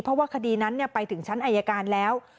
เพราะว่าคดีนั้นไปถึงชั้นอายการแล้ว